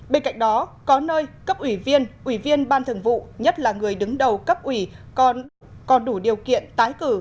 bên cạnh đó có nơi cấp ủy viên ủy viên ban thường vụ nhất là người đứng đầu cấp ủy còn đủ điều kiện tái cử